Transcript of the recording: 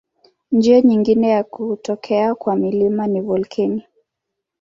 Njia nyingine ya kutokea kwa milima ni volkeno.